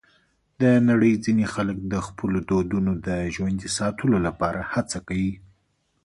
د نړۍ ځینې خلک د خپلو دودونو د ژوندي ساتلو لپاره هڅه کوي.